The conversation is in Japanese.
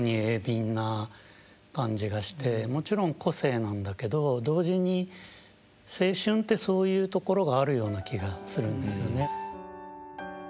もちろん個性なんだけど同時に青春ってそういうところがあるような気がするんですよね。